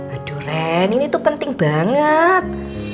aduh len ini tuh penting banget